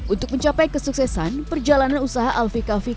untuk mencapai kesuksesan perjalanan usaha alfie coffee